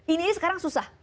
ini sekarang susah